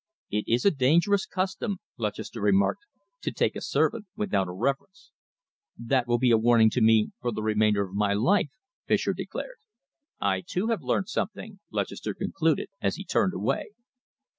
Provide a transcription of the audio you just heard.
"It is a dangerous custom," Lutchester remarked, "to take a servant without a reference." "It will be a warning to me for the remainder of my life," Fischer declared. "I, too, have learnt something," Lutchester concluded, as he turned away.